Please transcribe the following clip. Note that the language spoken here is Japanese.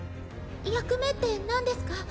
役目ってなんですか？